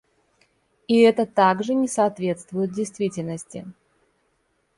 И это также не соответствует действительности.